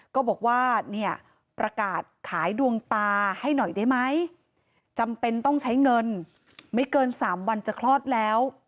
ก็บอกว่าเนี่ยประกาศขายดวงตาให้หน่อยได้ไหมจำเป็นต้องใช้เงินไม่เกิน๓วันจะคลอดแล้ว